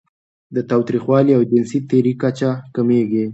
د تاوتریخوالي او جنسي تیري کچه کمېږي.